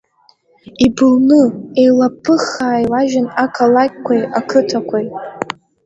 Ибылны, еилаԥыххаа еилажьын ақалақьқәеи, ақыҭақәеи.